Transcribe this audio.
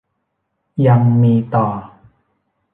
ยังมีต่อ